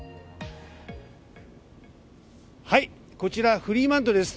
こちら、フリーマントルです。